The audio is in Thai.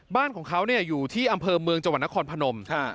บ้านของเขาเนี่ยอยู่ที่อำเภอเมืองจวันนครพนม